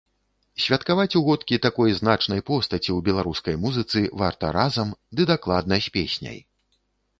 Святкаваць угодкі такой значнай постаці ў беларускай музыцы варта разам, ды дакладна з песняй.